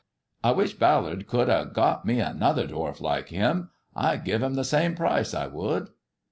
I wish Ballard could have got me another dwarf like him. I'd give him the same price, I would."